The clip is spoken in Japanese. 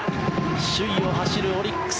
首位を走るオリックス。